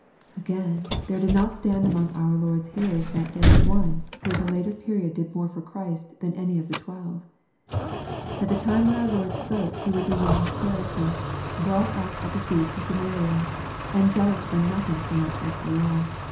Again, there did not stand among our Lord's hearers that day one who at a later period did more for Christ than any of the twelve. A t the time when our Lord spoke he was a young Pha risee, brought up at the feet of Gamaliel, and zealous for nothing so much as the law.